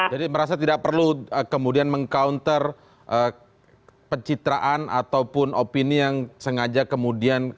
jadi merasa tidak perlu kemudian meng counter pencitraan ataupun opini yang sengaja kemudian